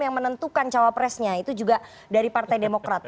yang menentukan cawapresnya itu juga dari partai demokrat